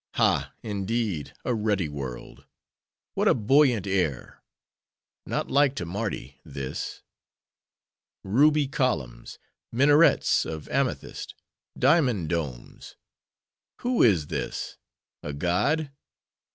—Ha! indeed, a ruddy world! What a buoyant air! Not like to Mardi, this. Ruby columns: minarets of amethyst: diamond domes! Who is this?—a god?